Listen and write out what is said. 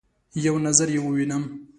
یو نظر يې ووینم